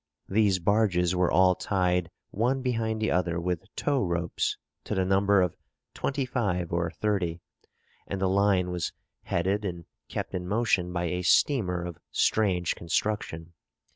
These barges were all tied one behind the other with tow ropes, to the number of twenty five or thirty; and the line was headed and kept in motion by a steamer of strange construction.